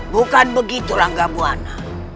bukan begitu rangga buwana